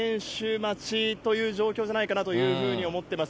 待ちという状況じゃないかなというふうに思ってます。